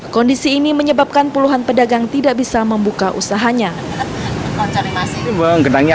kondisi ini menyebabkan puluhan kios dan warung yang berjajar di pinggir pantai